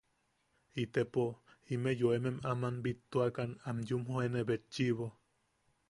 ¡Itepo into ime yoemem aman bittuakan am yumjoene betchiʼibo!